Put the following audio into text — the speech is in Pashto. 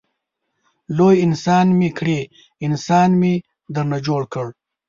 لوی انسان مې کړې انسان مې درنه جوړ کړ.